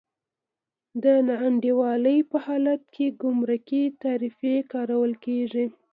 د نا انډولۍ په حالت کې ګمرکي تعرفې کارول کېږي.